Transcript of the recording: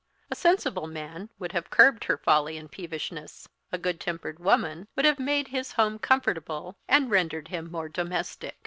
A sensible man would have curbed her folly and peevishness; a good tempered woman would have made his home comfortable, and rendered him more domestic.